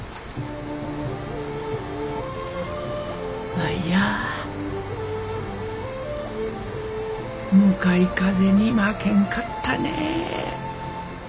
舞や向かい風に負けんかったね。